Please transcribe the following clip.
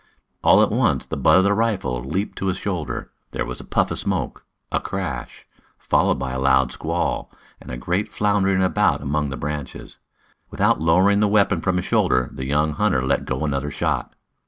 All at once the butt of the rifle leaped to his shoulder. There was a puff of smoke, a crash, followed by a loud squall, and a great floundering about among the branches. Without lowering the weapon from his shoulder, the young hunter let go another shot.